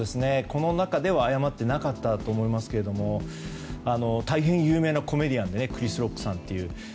この中では謝っていなかったと思いますけども大変、有名なコメディアンのクリス・ロックさん。